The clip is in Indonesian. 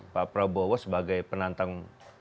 pak prabowo sebagai penantang